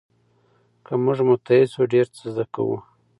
که موږ متحد سو ډېر څه زده کوو.